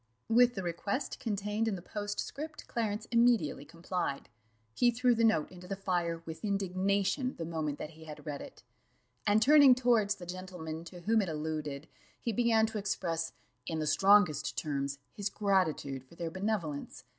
With the request contained in the postscript Clarence immediately complied; he threw the note into the fire with indignation the moment that he had read it, and turning towards the gentleman to whom it alluded, he began to express, in the strongest terms, his gratitude for their benevolence.